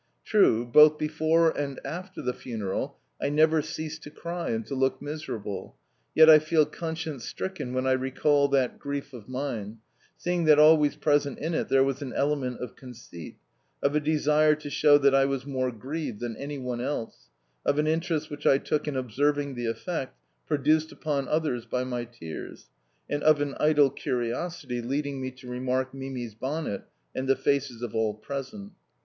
True, both before and after the funeral I never ceased to cry and to look miserable, yet I feel conscience stricken when I recall that grief of mine, seeing that always present in it there was an element of conceit of a desire to show that I was more grieved than any one else, of an interest which I took in observing the effect, produced upon others by my tears, and of an idle curiosity leading me to remark Mimi's bonnet and the faces of all present.